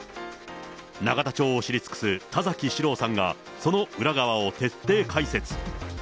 永田町を知り尽くす田崎史郎さんが、その裏側を徹底解説。